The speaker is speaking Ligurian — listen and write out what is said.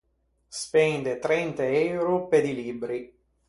Spende trenta euro pe di libbri.